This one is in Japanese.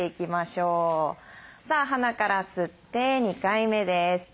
さあ鼻から吸って２回目です。